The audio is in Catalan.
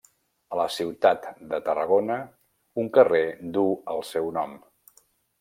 A la ciutat de Tarragona, un carrer duu el seu nom.